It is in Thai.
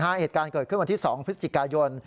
เหตุการณ์เกิดขึ้นวันที่๒พฤศจิกายน